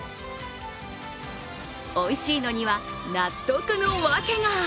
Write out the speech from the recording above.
おいしいのには納得のワケが。